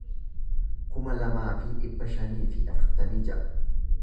kuma lamaa fi dhibba shanii fi afurtamii ja'a